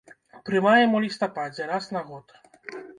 Прымаем у лістападзе, раз на год.